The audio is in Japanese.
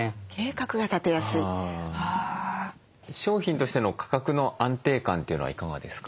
商品としての価格の安定感というのはいかがですか？